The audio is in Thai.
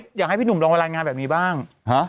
อยากให้พี่หนุ่มลองมารายงานแบบนี้บ้าง